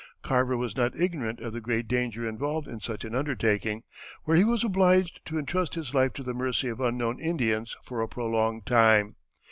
Carver was not ignorant of the great danger involved in such an undertaking, where he was obliged to intrust his life to the mercy of unknown Indians for a prolonged time.